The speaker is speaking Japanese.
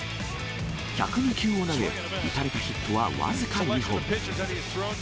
１０４球を投げ、打たれたヒットは僅か２本。